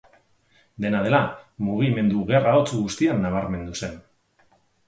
Dena dela, mugimendu gerra hotz guztian nabarmendu zen.